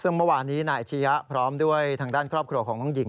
ซึ่งเมื่อวานนี้นายอาชียะพร้อมด้วยทางด้านครอบครัวของน้องหญิง